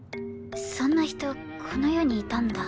そんな人この世にいたんだ。